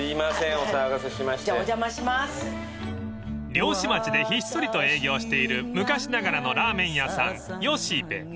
［漁師町でひっそりと営業している昔ながらのラーメン屋さんよしべ］